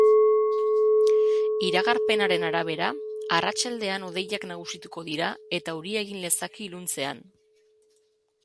Iragarpenaren arabera, arratsaldean hodeiak nagusituko dira eta euria egin lezake iluntzean.